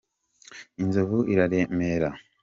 Inzovu iraremera.